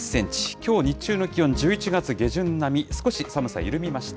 きょう日中の気温、１１月下旬並み、少し寒さ緩みました。